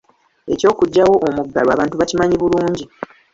Eky'okugyawo omuggalo abantu bakimanyi bulungi.